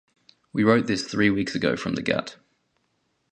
We wrote this three weeks ago from the gut.